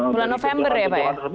bulan november ya pak ya